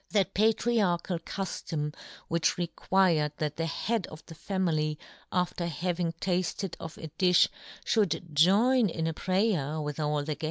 That patriarchal cuftom which required that the head of the family, after having tafted of a difh, fhould join in a prayer with all the yohn Gutenberg.